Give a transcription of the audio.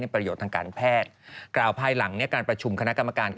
เพราะว่าเป็นอันตรายมาก